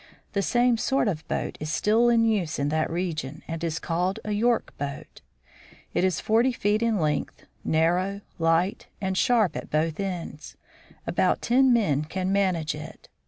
The same sort of boat is still in use in that region and is called a York boat. It is forty feet in length, narrow, light, and sharp at both ends. About ten men can manage it.